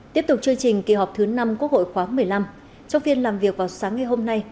tiếp tục chương trình kỳ họp thứ năm quốc hội khoáng một mươi năm trong phiên làm việc vào sáng ngày hôm nay